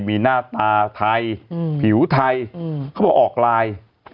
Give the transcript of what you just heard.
มีหน้าตาไทยผิวไทยเขาบอกออกไลน์